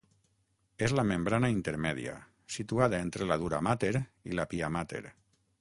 És la membrana intermèdia, situada entre la duramàter i la piamàter.